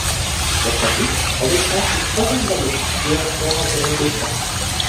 Dans sa vie, en l'espace d'une trentaine d'années, il en créa environ deux cents.